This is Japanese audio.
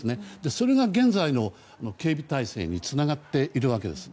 それが現在の警備態勢につながっているわけです。